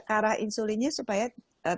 karena insulinnya supaya tidak